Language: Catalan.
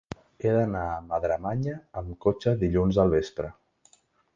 He d'anar a Madremanya amb cotxe dilluns al vespre.